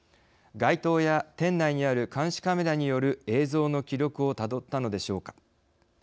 街頭や店内にある監視カメラによる映像の記録をたどったのでしょうか。